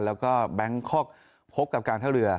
แล้วก็แบงคอกพบกับการท่าเรือ